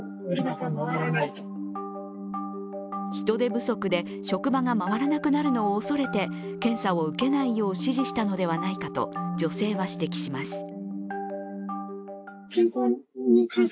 人手不足で職場が回らなくなるのを恐れて検査を受けないよう指示したのではないかと女性は指摘します。